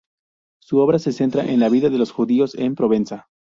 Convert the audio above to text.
Su obra se centra en la vida de los judíos en Provenza.